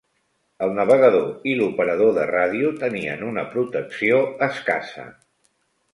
El navegador i l'operador de ràdio tenien una protecció escassa.